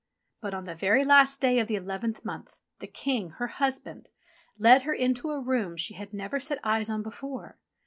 But on the very last day of the eleventh month, the King, her husband, led her into a room she had never set eyes on before.